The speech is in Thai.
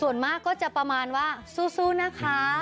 ส่วนมากก็จะประมาณว่าสู้นะคะ